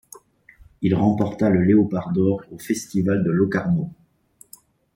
Il remporta le Léopard d'or au Festival de Locarno.